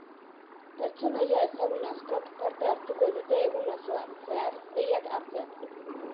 Pertsonaia ezagun askok parte hartuko dute egun osoan zehar deiak hartzen.